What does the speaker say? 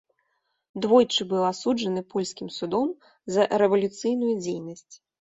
Двойчы быў асуджаны польскім судом за рэвалюцыйную дзейнасць.